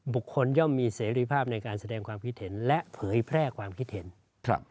ย่อมมีเสรีภาพในการแสดงความคิดเห็นและเผยแพร่ความคิดเห็นครับ